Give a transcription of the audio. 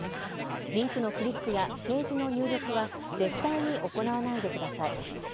リンクのクリックやページの入力は絶対に行わないでください。